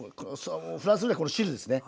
フランスではこの汁ですね。